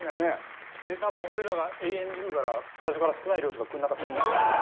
多分俺らが永遠に食うから最初から少ない量しかくれなかったんですね